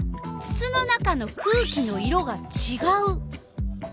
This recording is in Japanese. つつの中の空気の色がちがう。